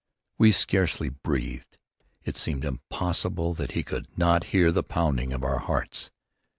We scarcely breathed. It seemed impossible that he could not hear the pounding of our hearts.